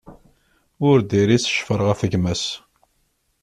Ur d-iris ccfer ɣef gma-s.